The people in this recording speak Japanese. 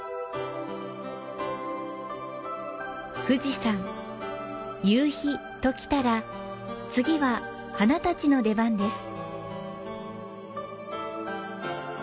富士山、夕陽ときたら次は花たちの出番です。